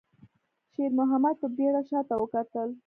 شېرمحمد په بيړه شاته وکتل.